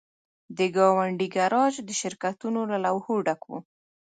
د ګاونډۍ ګراج د شرکتونو له لوحو ډک و